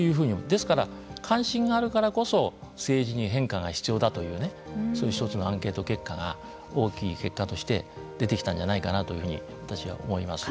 ですから、関心があるからこそ政治に変化が必要だというねそういう１つのアンケート結果が大きい結果として出てきたんじゃないかなと私は思います。